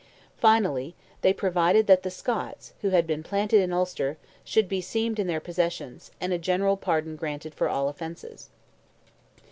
Finally, they provided that the Scots, who had been planted in Ulster, should be seemed in their possessions, and a general pardon granted for all offences."